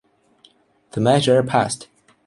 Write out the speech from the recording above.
The measure passed.